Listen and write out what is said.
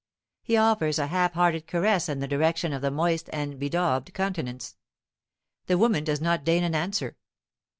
He offers a half hearted caress in the direction of the moist and bedaubed countenance. The woman does not deign an answer.